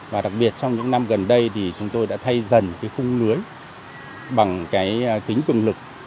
và đặc biệt trong những năm gần đây thì chúng tôi đã thay dần cái khung lưới bằng cái tính cường lực